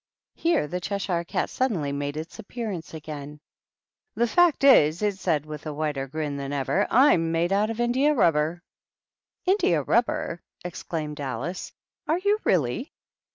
Here the Cheshire Cat suddenly made its ap pearance again. " The fact is/' it said, with a wider grin than ever, " Fm made out of India rubber." " India rubber !" exclaimed Alice. " Are you, really?"